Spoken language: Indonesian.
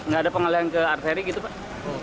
nggak ada pengalian ke arteri gitu pak